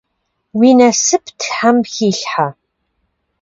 Уи насып Тхьэм хилъхьэ.